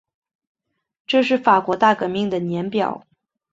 这是法国大革命的年表